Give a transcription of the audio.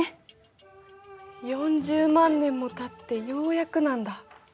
４０万年もたってようやくなんだ。